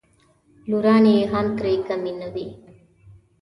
لورانې یې هم ترې کمې نه وې.